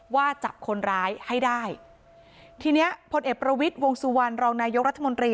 ว่าจับคนร้ายให้ได้ทีเนี้ยพลเอกประวิทย์วงสุวรรณรองนายกรัฐมนตรี